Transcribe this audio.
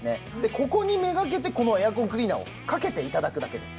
ここにめがけてこのエアコンクリーナーをかけて頂くだけです。